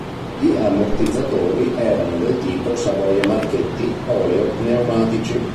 Gli ammortizzatori erano del tipo Savoia-Marchetti oleo-pneumatici.